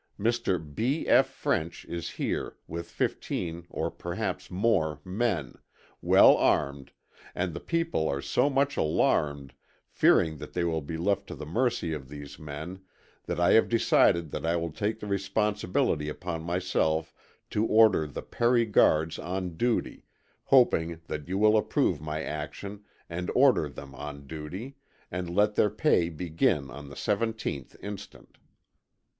Mr. B. F. French is here with 15 or perhaps more men, well armed, and the people are so much alarmed, fearing that they will be left to the mercy of these men, that I have decided that I will take the responsibility upon myself to order the Perry Guards on duty, hoping that you will approve my action and order them on duty, and let their pay begin on the 17th instant.